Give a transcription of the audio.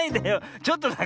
ちょっとだから。